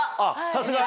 さすが。